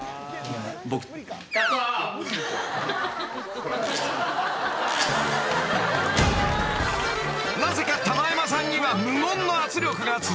［なぜか玉山さんには無言の圧力が続きます］